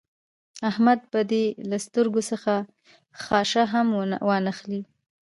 احمد به دې له سترګو څخه خاشه هم وانخلي.